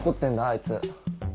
あいつ。